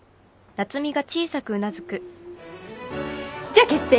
じゃあ決定。